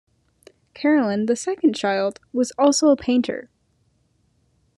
Carolyn, the second child, was also a painter.